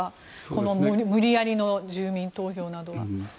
この無理やりの住民投票などは。